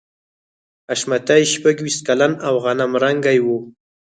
حشمتي شپږویشت کلن او غنم رنګی و